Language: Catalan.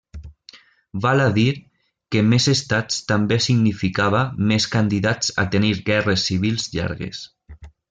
Val a dir que més estats també significava més candidats a tenir guerres civils llargues.